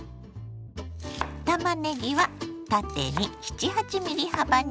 たまねぎは縦に７８ｍｍ幅に切ります。